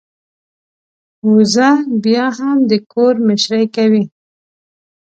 وزه بيا هم د کور مشرۍ کوي.